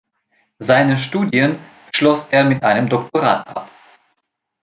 Seine Studien schloss er mit einem Doktorat ab.